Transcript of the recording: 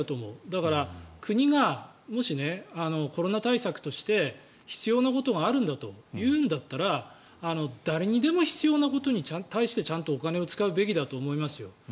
だから、国がもし、コロナ対策として必要なことがあるんだというんだったら誰にでも必要なことに対してちゃんとお金を使うべきだと思いますよ。